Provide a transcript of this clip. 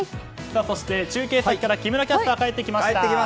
そして、中継先から木村キャスター、帰ってきました。